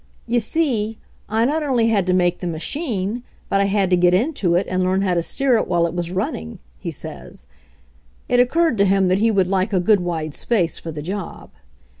"You see, I not only had to make the machine, but I had to get into it and learn how to steer it while it was running/' he says. It occurred to him that he would like a good wide space for the job.